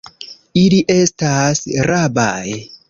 Ili estas rabaj.